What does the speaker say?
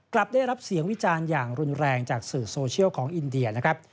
กลับได้รับเสียงวิจารณ์อย่างรุนแรงจากสื่อโซเชียลของอินเดียนะครับ